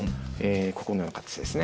このような感じですね。